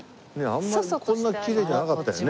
あんまりこんなきれいじゃなかったよね。